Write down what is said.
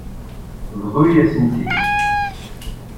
Bḍu-yasent-tt-id.